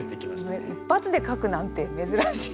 一発で書くなんて珍しい。